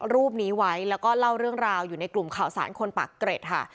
รูปนี้ไว้แล้วก็เล่าเรื่องราวอยู่ในกลุ่มข่าวสารคนปากเกร็ดค่ะ